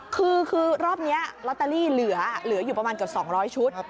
คือรอบนี้ลอตเตอรี่เหลืออยู่ประมาณเกือบ๒๐๐ชุด